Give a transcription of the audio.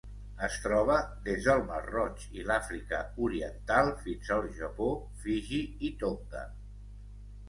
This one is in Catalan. Es troba des del Mar Roig i l'Àfrica Oriental fins al Japó, Fiji i Tonga.